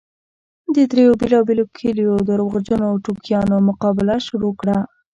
د دريو بېلابېلو کليو درواغجنو ټوکیانو مقابله شروع کړه.